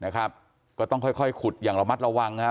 ก็ต้องค่อยขุดอย่างระมัดระวังนะฮะ